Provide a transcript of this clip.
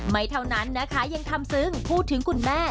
ไม่เท่านั้นนะคะยังทำซึ้งพูดถึงคุณแม่